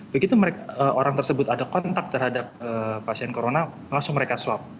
begitu orang tersebut ada kontak terhadap pasien corona langsung mereka swab